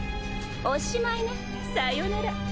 おしまいねさよなら